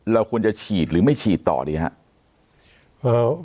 เราควรจะฉีดหรือไม่ฉีดต่อดีครับ